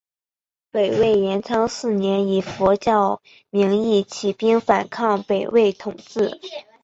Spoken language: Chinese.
北魏延昌四年以佛教名义起兵反抗北魏统治。